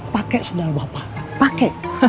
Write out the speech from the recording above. pakai sendal bapak pakai